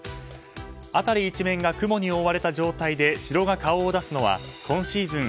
辺り一面が雲に覆われた状態で城が顔を出すのは今シーズン